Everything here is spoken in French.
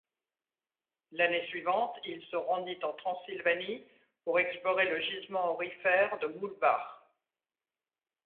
L'année suivante, il se rendit en Transylvanie pour explorer le gisement aurifère de Muhlbach.